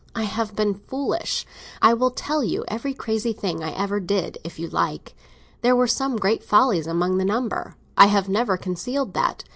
I have been foolish. I will tell you every crazy thing I ever did, if you like. There were some great follies among the number—I have never concealed that.